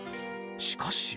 しかし。